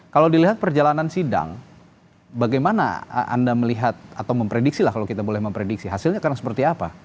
kalau dilihat perjalanan sidang bagaimana anda melihat atau memprediksi lah kalau kita boleh memprediksi hasilnya akan seperti apa